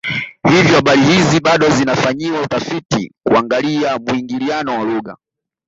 Hivyo habari hizi bado zinafanyiwa utafiti kuangalia muingiliano wa lugha